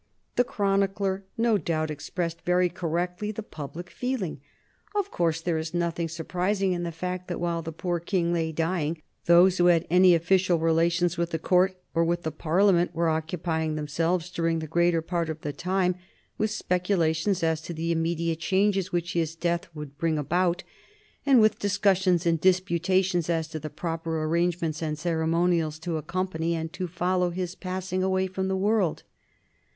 The chronicler no doubt expressed very correctly the public feeling. Of course, there is nothing surprising in the fact that while the poor King lay dying those who had any official relations with the Court or with Parliament were occupying themselves, during the greater part of the time, with speculations as to the immediate changes which his death would bring about, and with discussions and disputations as to the proper arrangements and ceremonials to accompany and to follow his passing away from this world.